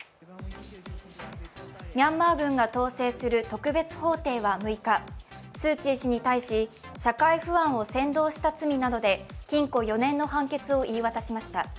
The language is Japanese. ミャンマー軍が統制する特別法廷は６日、スー・チー氏に対し社会不安を扇動した罪などで禁錮４年の判決を言い渡しました。